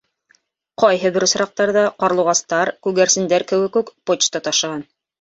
Ҡайһы бер осраҡтарҙа ҡарлуғастар, күгәрсендәр кеүек үк, почта ташыған.